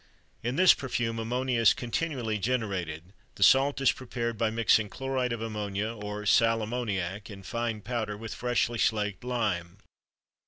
In this perfume ammonia is continually generated; the salt is prepared by mixing chloride of ammonium or sal ammoniac in fine powder with freshly slaked lime.